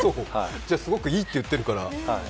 じゃ、すごくいいって言ってるから。